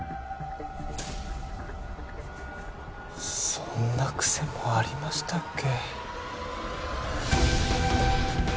そんな癖もありましたっけ？